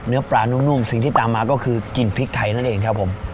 เนื้อปลานุ่มสิ่งที่ตามมาก็คือกลิ่นพริกไทยนั่นเองครับผม